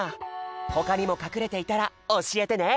ほかにもかくれていたらおしえてね！